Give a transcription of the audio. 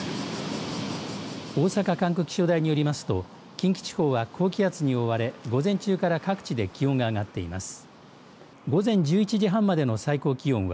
大阪管区気象台によりますと近畿地方は高気圧に覆われ午前中から各地で気温が上がっています。